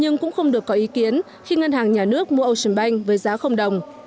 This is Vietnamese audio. hội đồng xét xử có ý kiến khi ngân hàng nhà nước mua ocean bank với giá đồng